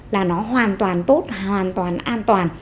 là nó hoàn toàn tốt hoàn toàn an toàn